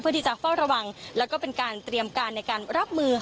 ที่จะเฝ้าระวังแล้วก็เป็นการเตรียมการในการรับมือ